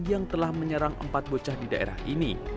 yang telah menyerang empat bocah di daerah ini